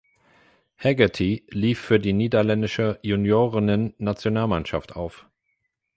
Haggerty lief für die niederländische Juniorinnennationalmannschaft auf.